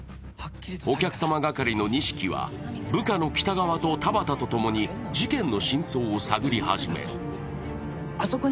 お客様係の西木は、部下の北川と田畑と共に、事件の真相を探り始める。